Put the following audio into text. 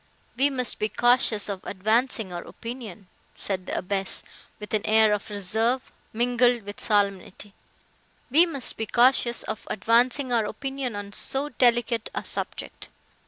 "We must be cautious of advancing our opinion," said the abbess, with an air of reserve, mingled with solemnity, "we must be cautious of advancing our opinion on so delicate a subject.